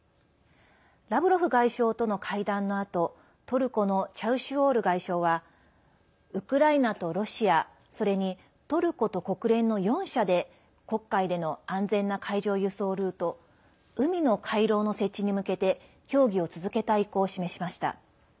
ラブロフ外相との会談のあとトルコのチャウシュオール外相はウクライナとロシアそれにトルコと国連の４者で黒海での安全な海上輸送ルート海の回廊の設置に向けて協議を続けたい意向を示しました。